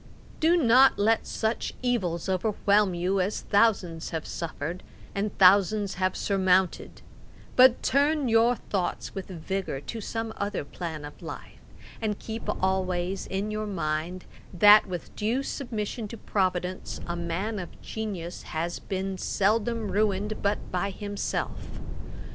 'Do not let such evils overwhelm you as thousands have suffered, and thousands have surmounted; but turn your thoughts with vigour to some other plan of life, and keep always in your mind, that, with due submission to Providence, a man of genius has been seldom ruined but by himself.